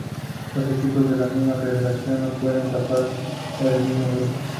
Los equipos de la misma federación no pueden tapar el mismo grupo.